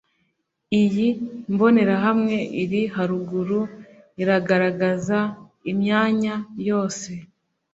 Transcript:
iyi mbonerahamwe iri haruguru iragaragaza imyanya yose